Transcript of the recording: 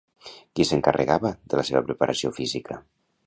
Qui s'encarregava de la seva preparació física?